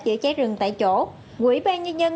để cháy rừng tại chỗ quỹ ban nhân dân